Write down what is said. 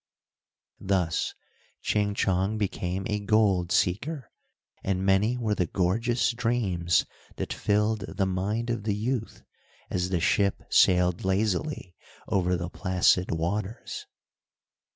Thus Ching Chong became a gold seeker, and many were the gorgeous dreams that filled the mind of the youth, as the ship sailed lazily over the placid waters.